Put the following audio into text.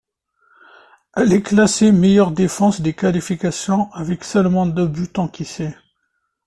Elle est classée meilleure défense des qualifications avec seulement deux buts encaissés.